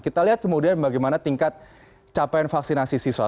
kita lihat kemudian bagaimana tingkat capaian vaksinasi siswa